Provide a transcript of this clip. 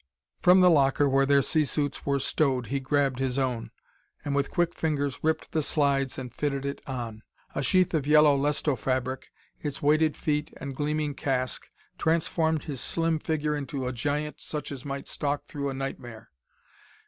From the locker where their sea suits were stowed he grabbed his own, and with quick fingers ripped the slides and fitted it on. A sheath of yellow Lestofabrik, its weighted feet and gleaming casque transformed his slim figure into a giant such as might stalk through a nightmare.